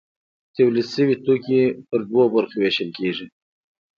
تولید شوي توکي په دوو برخو ویشل کیږي.